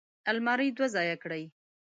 المار دوه ځایه کړي.